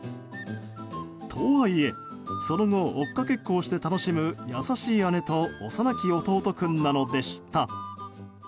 とはいえ、その後追っかけっこをして楽しむ優しい姉と幼き弟君なのでした。